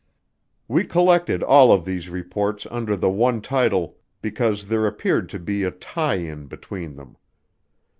We collected all of these reports under the one title because there appeared to be a tie in between them.